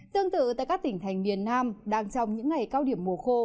tương tự tại các tỉnh thành miền nam đang trong những ngày cao điểm mùa khô